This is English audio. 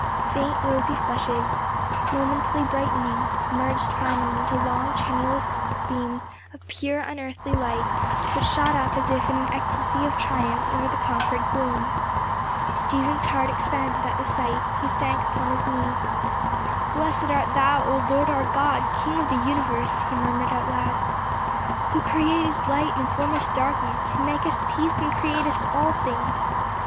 Faint rosy flushes momently brightening merged finally into long tremulous beams of pure unearthly light, which shot up as if in an ecstasy of triumph over the conquered gloom. Stephen's heart expanded at the sight. He sank upon his knees. "'Blessed art thou, O Lord our God, King of the universe,'" he murmured aloud. "'Who createst light and formest darkness, who makest peace and createst all things!